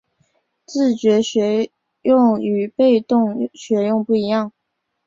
自觉学用与被动学用不一样